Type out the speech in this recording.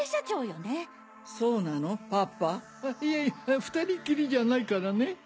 いや２人きりじゃないからね。